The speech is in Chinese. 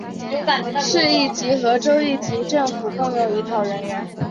市一级和州一级政府共用一套人员。